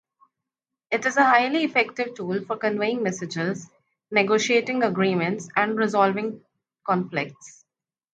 It is a highly effective tool for conveying messages, negotiating agreements, and resolving conflicts.